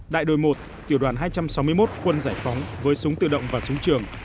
đại đội một tiểu đoàn hai trăm sáu mươi một quân giải phóng với súng tự động và súng trường